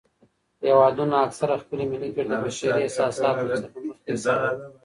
هیوادونه اکثراً خپلې ملي ګټې د بشري احساساتو څخه مخکې حسابوي.